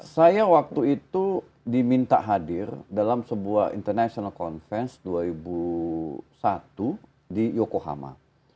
saya waktu itu diminta hadir dalam sebuah international conference dua ribu satu di yokohama